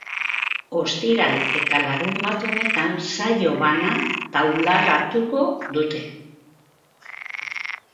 Ostiral eta larunbat honetan saio bana taularatuko dute.